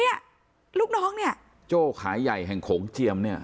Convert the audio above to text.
ลูกน้องเนี่ยโจ้ขายใหญ่แห่งโขงเจียมเนี่ย